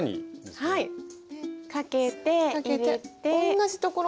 同じところに？